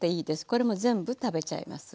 これも全部食べちゃいます。